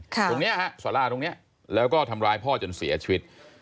ตรงนี้ฮะสาราตรงนี้แล้วก็ทำร้ายพ่อจนเสียชีวิต